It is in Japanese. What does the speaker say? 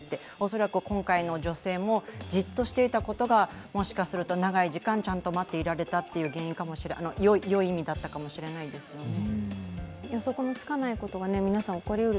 恐らく今回の女性もじっとしていたことがもしかすると、長い時間、ちゃんと待っていられたという要因だったかもしれないですね。